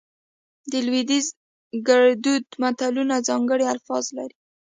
د لودیز ګړدود متلونه ځانګړي الفاظ لري